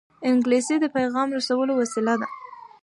انګلیسي د پېغام رسولو وسیله ده